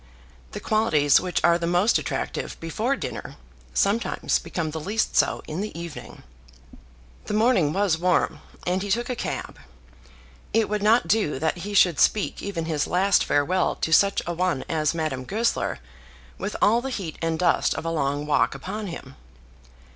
The qualities which are the most attractive before dinner sometimes become the least so in the evening. The morning was warm, and he took a cab. It would not do that he should speak even his last farewell to such a one as Madame Goesler with all the heat and dust of a long walk upon him.